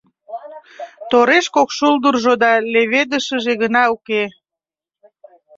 Тореш кок шулдыржо да леведышыже гына уке.